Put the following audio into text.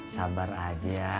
sabar aja ya